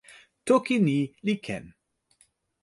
toki ni li ken.